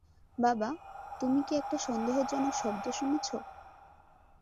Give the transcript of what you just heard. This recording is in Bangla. বাবা, তুমি কি একটা সন্দেহজনক শব্দ শুনেছ?